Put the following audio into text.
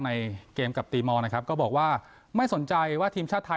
ในเกมกับตีมอลนะครับก็บอกว่าไม่สนใจว่าทีมชาติไทย